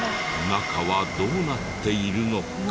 中はどうなっているのか？